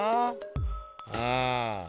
うん。